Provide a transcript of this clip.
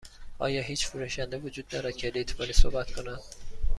آیا هیچ فروشنده وجود دارد که لیتوانی صحبت کند؟